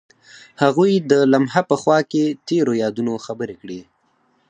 هغوی د لمحه په خوا کې تیرو یادونو خبرې کړې.